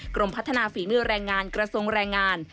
กรมพัฒนาฝีมือแรงงานกระทรวงแรงงาน